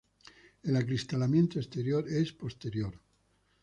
El acristalamiento exterior es posterior.